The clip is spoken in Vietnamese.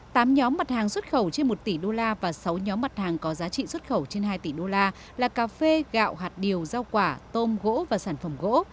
tám nhóm mặt hàng xuất khẩu trên một tỷ đô la và sáu nhóm mặt hàng có giá trị xuất khẩu trên hai tỷ đô la là cà phê gạo hạt điều rau quả tôm gỗ và sản phẩm gỗ